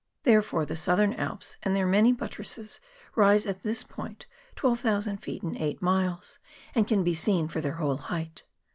Therefore the Southern Alps and their many buttresses rise at this point 12,000 feet in eight miles, and can be seen for their whole height.